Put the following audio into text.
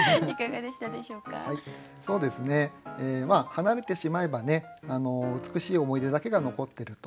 離れてしまえばね美しい思い出だけが残ってると。